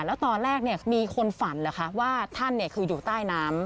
แล้วตอนแรกมีคนฝันเหรอคะว่าท่านคืออยู่ใต้น้ำ